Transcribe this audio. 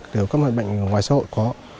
đều các mặt bệnh ngoài xã hội có